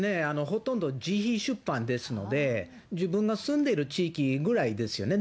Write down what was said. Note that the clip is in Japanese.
ほとんど自費出版ですので、自分が住んでいる地域ぐらいですよね。